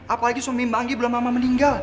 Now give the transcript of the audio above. apalagi suami mbak anggi belum lama meninggal